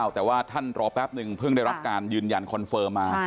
แต่ว่าท่านรอแป๊บนึงเพิ่งได้รับการยืนยันคอนเฟิร์มมา